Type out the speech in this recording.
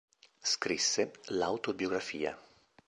Scrisse l"'Autobiografia".